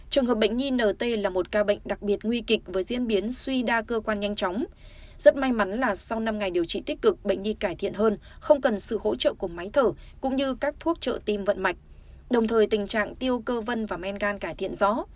trường hợp bệnh nhi nt là một ca bệnh đặc biệt nguy kịch với diễn biến suy đa cơ quan nhanh chóng rất may mắn là sau năm ngày điều trị tích cực bệnh nhi cải thiện hơn không cần sự hỗ trợ của máy thở cũng như các thuốc trợ tim vận mạch đồng thời tình trạng tiêu cơ vân và men gan cải thiện rõ